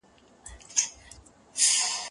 زه پرون ليکنې وکړې؟!